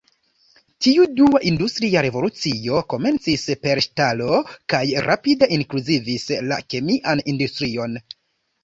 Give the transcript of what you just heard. Tiu "dua" industria revolucio komencis per ŝtalo kaj rapide inkluzivis la kemian industrion.